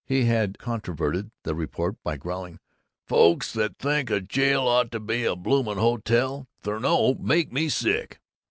He had controverted the report by growling, "Folks that think a jail ought to be a bloomin' Hotel Thornleigh make me sick.